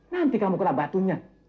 nanti kamu kena batunya